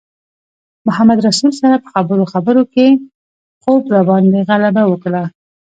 محمدرسول سره په خبرو خبرو کې خوب راباندې غلبه وکړه.